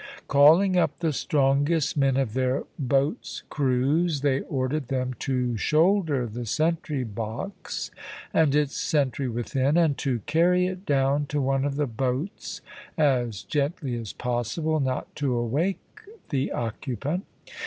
Calling up the strongest men of their boats' crews, they ordered them to shoulder the sentry box and its sentry within, and to carry it down to one of the boats as gently as possible, not to awake the occupant.